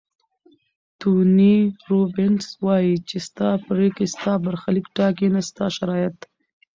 توني روبینز وایي چې ستا پریکړې ستا برخلیک ټاکي نه ستا شرایط.